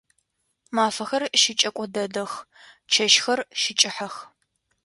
Мафэхэр щыкӏэко дэдэх, чэщхэр щыкӏыхьэх.